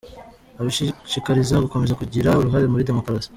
Ibashishikariza gukomeza kugira uruhare muri demokarasi.